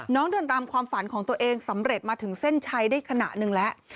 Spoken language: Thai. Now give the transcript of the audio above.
เดินตามความฝันของตัวเองสำเร็จมาถึงเส้นชัยได้ขณะหนึ่งแล้ว